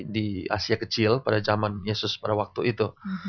di asia kecil pada zaman yesus pada waktu itu